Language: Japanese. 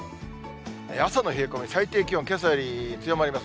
朝の冷え込み、最低気温、けさより強まります。